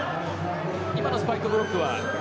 今のスパイクブロックは？